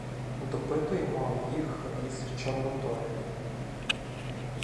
Допитуємо їх із Чорнотою.